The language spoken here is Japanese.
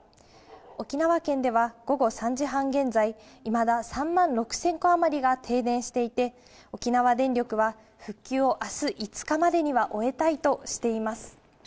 沖縄県では午後３時半現在、いまだ３万６０００戸余りが停電していて、沖縄電力は、復旧をあす５日までには終えたいとしています。